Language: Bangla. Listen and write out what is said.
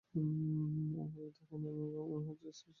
ওভাবে না, এভাবে মনে হচ্ছে, স্পেস ক্যাম্পে গিয়ে দক্ষ হয়ে গেছেন।